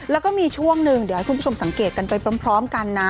แล้วก็มีช่วงหนึ่งเดี๋ยวให้คุณผู้ชมสังเกตกันไปพร้อมกันนะ